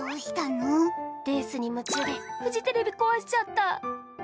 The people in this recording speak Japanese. レースに夢中でフジテレビ壊しちゃった。